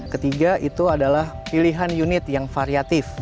ketiga itu adalah pilihan unit yang variatif